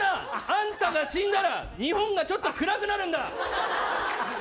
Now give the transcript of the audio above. あんたが死んだら日本がちょっと暗くなるんだ。